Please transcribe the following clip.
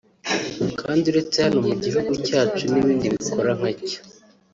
Kandi uretse hano mu gihugu cyacu n’ibindi bikora nkacyo